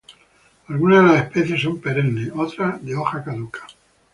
Algunas de las especies son perennes, otras de hoja caduca.